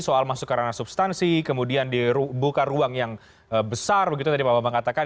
soal masuk ke ranah substansi kemudian dibuka ruang yang besar begitu tadi pak bambang katakan